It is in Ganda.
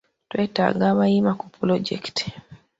Twetaaga abayima ku pulojekiti.